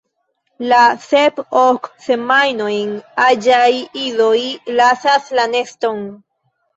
La sep–ok semajnojn aĝaj idoj lasas la neston.